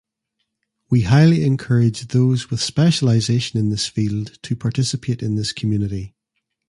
We highly encourage those with specialization in this field to participate in this community